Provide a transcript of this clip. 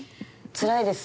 つらいです